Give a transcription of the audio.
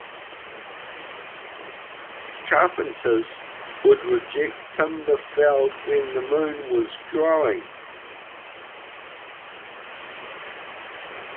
Carpenters would reject timber felled when the moon was growing.